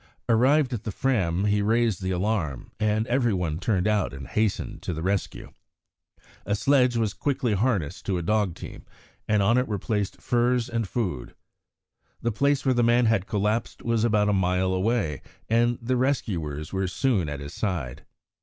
Arrived at the Fram, he raised the alarm, and every one turned out and hastened to the rescue. A sledge was quickly harnessed to a dog team, and on it were placed furs and food. The place where the man had collapsed was about a mile away, and the rescuers were soon at his side.